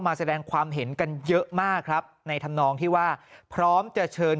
มาแสดงความเห็นกันเยอะมากครับในธรรมนองที่ว่าพร้อมจะเชิญ